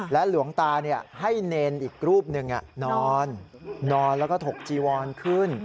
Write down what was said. หลวงตาให้เนรอีกรูปหนึ่งนอนนอนแล้วก็ถกจีวอนขึ้น